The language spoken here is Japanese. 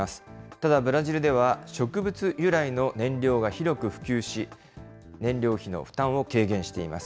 ただブラジルでは植物由来の燃料が広く普及し、燃料費の負担を軽減しています。